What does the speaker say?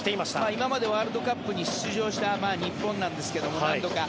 今までワールドカップに出場した日本なんですが、何度か。